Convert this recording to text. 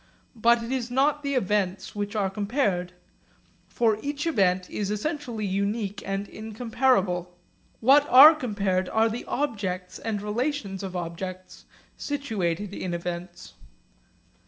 But it is not the events which are compared. For each event is essentially unique and incomparable. What are compared are the objects and relations of objects situated in events.